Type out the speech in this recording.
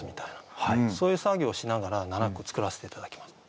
そういう作業をしながら７句作らせて頂きました。